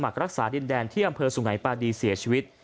รักษาดินแดนที่อำเภอสุงัยปาดีเสียชีวิต